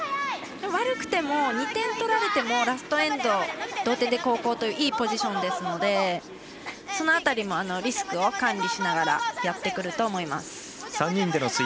悪くても２点取られてもラストエンド、同点で後攻といういいポジションですのでその辺りもリスクを管理しながらやってくると思います。